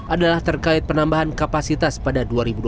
adalah terkait penambahan kapasitas pada dua ribu dua puluh